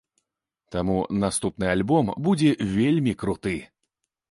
Таму наступны альбом будзе вельмі круты!